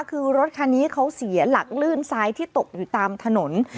คือรถคันนี้เขาเสียหลักลื่นซ้ายที่ตกอยู่ตามถนน